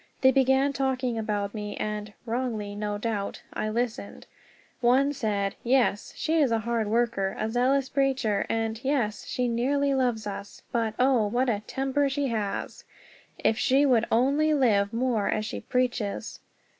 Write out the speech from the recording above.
They began talking about me, and (wrongly, no doubt) I listened. One said, "Yes, she is a hard worker, a zealous preacher, and yes, she nearly loves us; but, oh, what a temper she has! _If she would only live more as she preaches!